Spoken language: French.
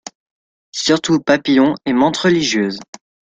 Surtout papillons et mantes religieuses.